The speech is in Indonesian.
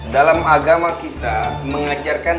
dalam agama kita mengajarkan